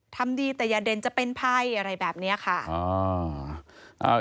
ทำดีแต่อย่าเด่นจะเป็นภัยอะไรแบบนี้ค่ะ